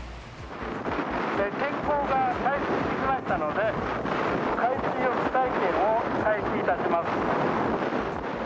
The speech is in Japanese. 天候が回復してきましたので、海水浴体験を開始いたします。